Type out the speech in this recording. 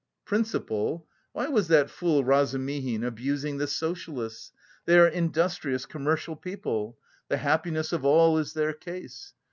Principle? Why was that fool Razumihin abusing the socialists? They are industrious, commercial people; 'the happiness of all' is their case.